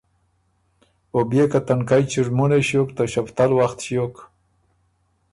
او بيې که تنکئ چُړمُونئ ݭیوک ته ݭفتل وخت ݭیوک